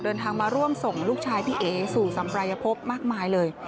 เดินทางมาร่วมส่งลูกชายพี่เอ๋สู่สัมปรายภพมากมายเลย